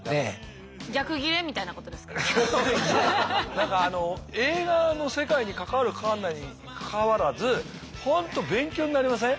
何かあの映画の世界に関わる関わらないにかかわらず本当勉強になりません？